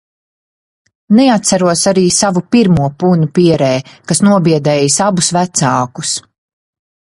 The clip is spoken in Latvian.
Neatceros arī savu pirmo punu pierē, kas nobiedējis abus vecākus.